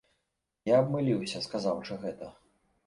Я абмыліўся, сказаўшы гэта.